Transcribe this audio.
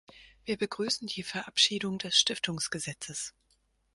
Wir begrüßen die Verabschiedung des Stiftungsgesetzes.